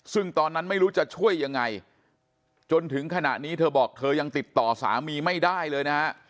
ซึ่งตอนนั้นไม่รู้จะช่วยยังไงจนถึงขณะนี้เธอบอกเธอยังติดต่อสามีไม่ได้เลยนะฮะ